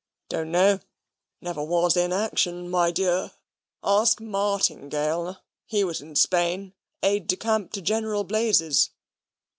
"Don't know. Never was in action, my dear. Ask Martingale; he was in Spain, aide de camp to General Blazes."